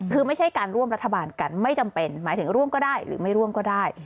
คือไม่ใช่การร่วมรัฐบาลกันไม่จำเป็นหมายถึงร่วมก็ได้หรือไม่ร่วมก็ได้